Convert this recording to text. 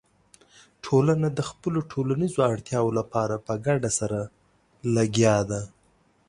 ټولنه د خپلو ټولنیزو اړتیاوو لپاره په ګډه سره لګیا ده.